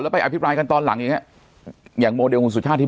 ไปอภิปรายกันตอนหลังอย่างเงี้ยอย่างโมเดลคุณสุชาติที่